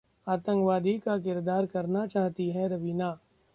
आतंकवादी का किरदार करना चाहती हैं रवीना